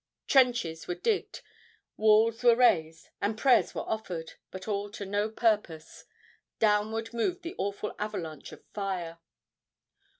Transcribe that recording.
Trenches were digged, walls were raised, and prayers were offered, but all to no purpose. Downward moved the awful avalanche of fire.